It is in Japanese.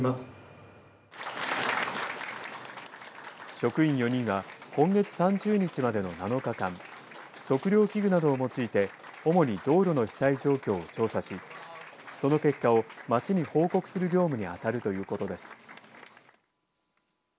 職員４人は今月３０日までの７日間測量器具などを用いて主に道路の被災状況を調査しその結果を町に報告する業務に当たるということです。